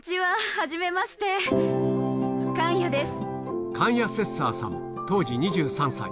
はじめましてカンヤです。